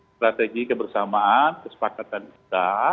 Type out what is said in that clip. strategi kebersamaan kesepakatan kita